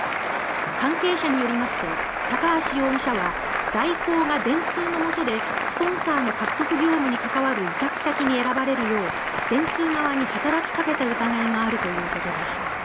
関係者によりますと高橋容疑者は大広が電通のもとでスポンサーの獲得業務に関わる委託先に選ばれるよう電通側に働きかけた疑いがあるということです。